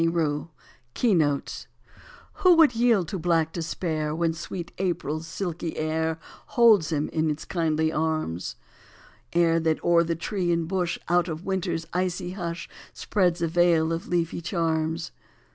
April Fourth KEY NOTES VI7HO would yield to black despair When sweet April s silky air Holds him in its kindly arms? Air that o er the tree and bush Out of winter s icy hush Spreads a veil of leafy charms?